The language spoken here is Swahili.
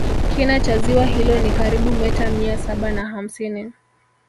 Kina cha ziwa hilo ni karibu meta mia saba na hamsini